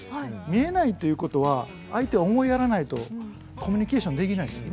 見えないということは相手を思いやらないとコミュニケーションできないです。